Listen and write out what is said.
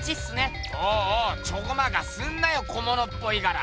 おぉおぉチョコマカすんなよ。小物っぽいから。